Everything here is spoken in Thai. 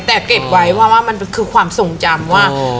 แต่เก็บไว้เพราะว่ามันคือความทรงจำว่า